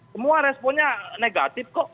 semua responnya negatif kok